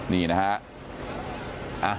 นี่นะฮะ